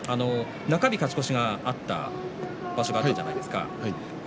中日勝ち越しがあった場所があるじゃないですか。